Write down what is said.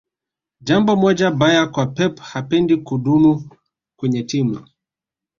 jambo moja baya kwa pep hapendi kudumu kwenye timu